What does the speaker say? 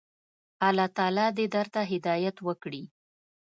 الله تعالی دي درته هدايت وکړي.